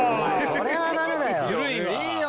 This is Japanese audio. それはダメだよ。